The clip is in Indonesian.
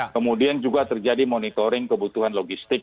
kemudian juga terjadi monitoring kebutuhan logistik